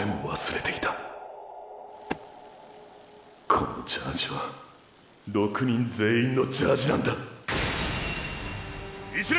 このジャージは６人全員のジャージなんだ１年！